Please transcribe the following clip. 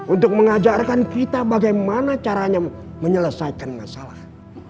untuk mengajarkan kita bagaimana caranya menyelesaikan masalah